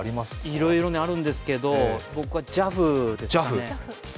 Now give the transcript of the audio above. いろいろあるんですけど、僕はＪＡＦですね。